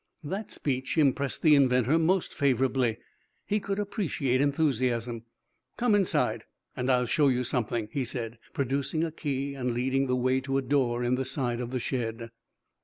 That speech impressed the inventor most favorably. He could appreciate enthusiasm. "Come inside, and I'll show you something," he said, producing a key and leading the way to a door in the side of the shed.